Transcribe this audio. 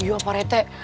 iya pak rete